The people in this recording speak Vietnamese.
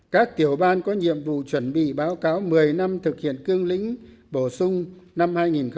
các tiểu ban có nhiệm vụ chuẩn bị báo cáo một mươi năm thực hiện cương lĩnh bổ sung năm hai nghìn một mươi một